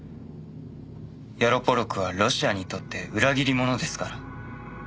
ヤロポロクはロシアにとって裏切り者ですから。